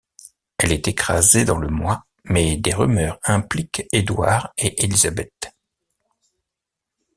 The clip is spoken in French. Elle est écrasée dans le mois, mais des rumeurs impliquent Édouard et Élisabeth.